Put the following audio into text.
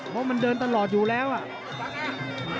เพราะมันเดินตลอดอยู่แล้วอ่ะ